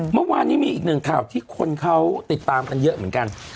เมื่อวานนี้มีอีกหนึ่งข่าวที่คนเขาติดตามกันเยอะเหมือนกัน